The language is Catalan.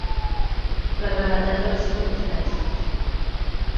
La gravetat de les circumstàncies.